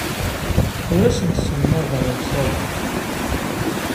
Ur asent-sselmadeɣ ilsawen.